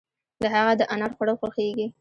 د هغه د انار خوړل خوښيږي.